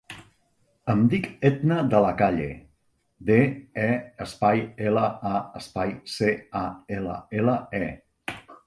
Em dic Etna De La Calle: de, e, espai, ela, a, espai, ce, a, ela, ela, e.